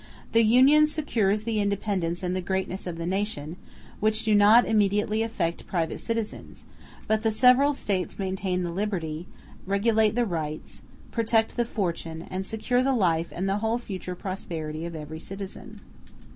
The Union secures the independence and the greatness of the nation, which do not immediately affect private citizens; but the several States maintain the liberty, regulate the rights, protect the fortune, and secure the life and the whole future prosperity of every citizen.